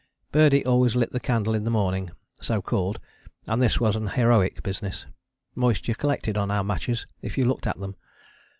Birdie always lit the candle in the morning so called and this was an heroic business. Moisture collected on our matches if you looked at them.